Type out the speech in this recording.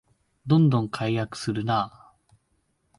どんどん改悪するなあ